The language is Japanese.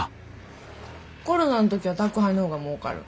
コロナの時は宅配の方がもうかる。